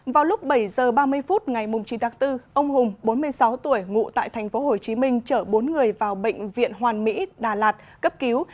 vào lúc bảy h ba mươi phút ngày chín tháng bốn ông hùng bốn mươi sáu tuổi ngụ tại tp hcm chở bốn người vào bệnh viện hoàn mỹ đà lạt cấp cứu